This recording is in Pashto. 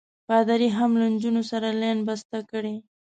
پادري هم له نجونو سره لین بسته کړی.